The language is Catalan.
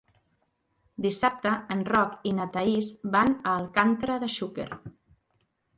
Dissabte en Roc i na Thaís van a Alcàntera de Xúquer.